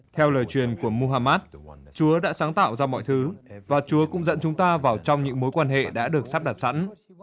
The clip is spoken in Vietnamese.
theo lời truyền của mohammad chúa đã sáng tạo ra mọi thứ và chúa cũng dẫn chúng ta vào trong những mối quan hệ đã được sắp đặt sẵn